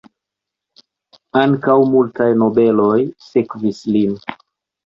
Ankaŭ multaj nobeloj sekvis lin.